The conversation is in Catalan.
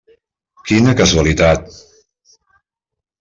Quina casualitat!